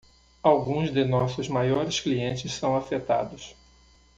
Alguns de nossos maiores clientes são afetados.